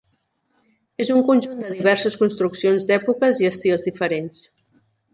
És un conjunt de diverses construccions d'èpoques i estils diferents.